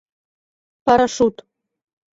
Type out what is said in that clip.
ПАРАШЮТ